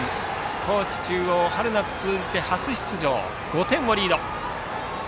高知中央、春夏通じて初出場５点をリード。